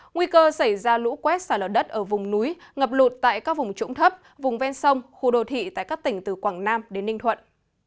nguy cơ xảy ra lũ quét xả lở đất ở vùng núi ngập lụt tại các vùng trũng thấp vùng ven sông khu đô thị tại các tỉnh từ quảng nam đến ninh thuận